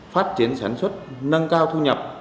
phát triển sản xuất nâng cao thu nhập